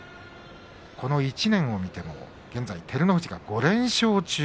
この１年を見ても現在照ノ富士が５連勝中。